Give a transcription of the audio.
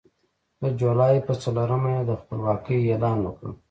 د جولای په څلورمه یې د خپلواکۍ اعلان وکړ.